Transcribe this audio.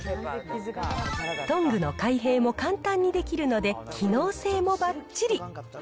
トングの開閉も簡単にできるので機能性もばっちり。